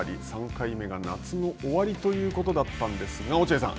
３回目が夏の終わりということだったんですが、落合さん。